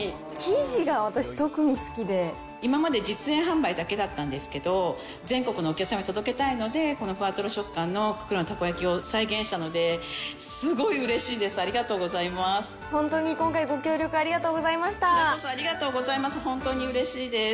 生地が私、今まで実演販売だけだったんですけど、全国のお客様に届けたいので、このふわとろ食感のくくるのたこ焼きを再現したので、すごいうれしいです、ありがとうございます。